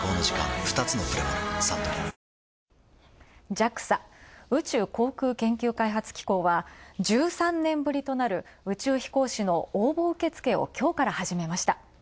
ＪＡＸＡ＝宇宙航空研究開発機構は、１３年ぶりとなる、宇宙飛行士の応募受付を今日からはじめました。